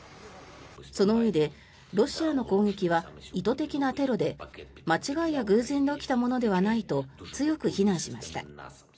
そのうえでロシアの攻撃は意図的なテロで間違いや偶然が起きたものではないと強く非難しました。